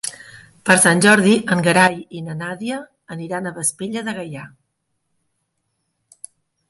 Per Sant Jordi en Gerai i na Nàdia aniran a Vespella de Gaià.